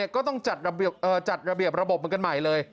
ก็ต้องจัดระเบียบระบบเหมือนกันใหม่เลย